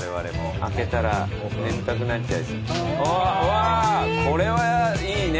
わあこれはいいね。